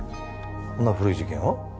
こんな古い事件を？